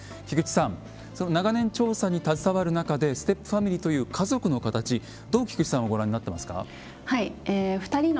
菊地さんその長年調査に携わる中でステップファミリーという家族の形どう菊地さんはご覧になってますか？